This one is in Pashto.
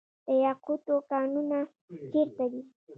د یاقوتو کانونه چیرته دي؟